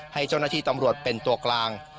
ให้เจ้าหน้าที่ตำรวจเป็นตัวกลาง